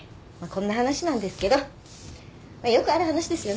こんな話なんですけどよくある話ですよね。